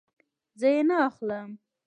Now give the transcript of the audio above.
زه یی نه اخلم